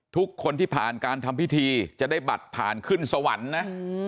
ทุกคนที่ผ่านการทำพิธีจะได้บัตรผ่านขึ้นสวรรค์นะ